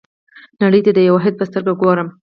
نړۍ ته د یوه واحد په سترګه ګورم.